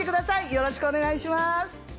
よろしくお願いします。